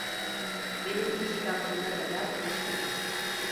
Benim iş vaktime kadar konuşuruz!